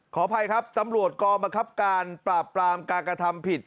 ขออภัยครับตำรวจกองบังคับการปราบปรามการกระทำผิด